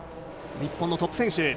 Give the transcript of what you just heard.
日本のトップ選手。